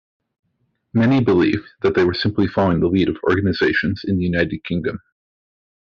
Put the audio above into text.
Many believe they were simply following the lead of organizations in the United Kingdom.